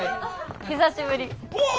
久しぶり。